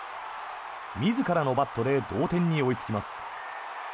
自らのバットで同点に追いつきます。